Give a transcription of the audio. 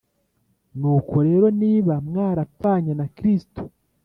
Nuko rero niba mwarapfanye na Kristo